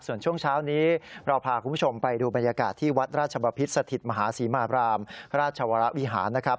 ส่วนช่วงเช้านี้เราพาคุณผู้ชมไปดูบรรยากาศที่วัดราชบพิษสถิตมหาศรีมาบรามราชวรวิหารนะครับ